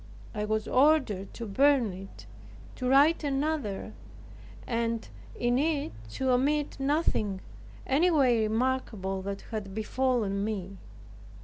I was ordered to burn it, to write another, and in it to omit nothing anyway remarkable that had befallen me.